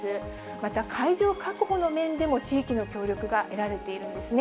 また会場確保の面でも地域の協力が得られているんですね。